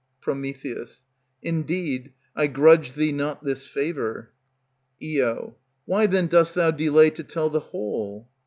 Pr. Indeed, I grudge thee not this favor. Io. Why, then, dost thou delay to tell the whole?